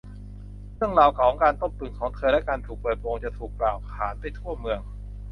เรื่องราวของการต้มตุ๋นของเธอ และการถูกเปิดโปงจะถูกกล่าวขานไปทั่วเมือง